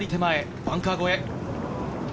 左手前、バンカー越え。